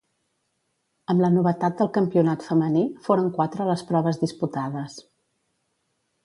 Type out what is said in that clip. Amb la novetat del Campionat femení, foren quatre les proves disputades.